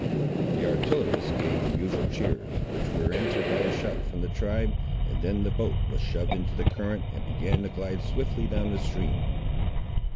The artillerists gave the usual cheers, which were answered by a shout from the tribe, and then the boat was shoved into the current, and began to glide swiftly down its stream.